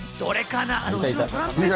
どれかな？